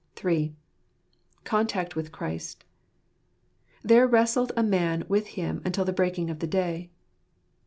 (3) Contact with Christ. "There wrestled a man with him until the breaking of the day."